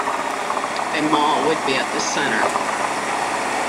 A mall would be at the center.